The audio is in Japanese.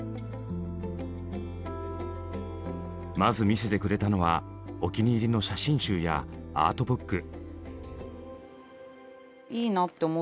まず見せてくれたのはお気に入りの写真集やアートブック。